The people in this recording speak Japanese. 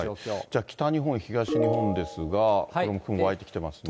じゃあ、北日本、東日本ですが、これも雲湧いてきていますね。